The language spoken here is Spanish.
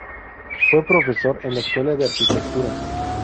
Fue profesor en la escuela de Arquitectura.